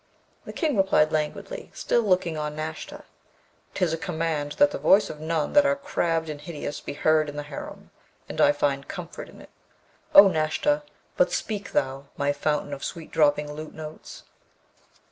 The King replied languidly, still looking on Nashta, ''Tis a command that the voice of none that are crabbed and hideous be heard in the harem, and I find comfort in it, O Nashta! but speak thou, my fountain of sweet dropping lute notes!'